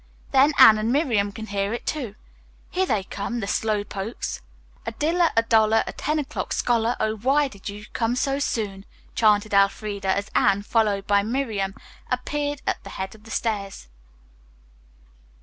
Then Anne and Miriam can hear it, too. Here they come, the slow pokes." "A dillar, a dollar, a ten o'clock scholar, Oh, why did you come so soon?" chanted Elfreda as Anne, followed by Miriam, appeared at the head of the stairs.